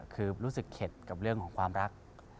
คือรู้สึกเข็ดกับเรื่องของความรัก